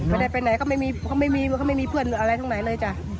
ไม่ได้ไปไหนเขาไม่มีเพื่อนอะไรทั้งไหนเลยจ้ะ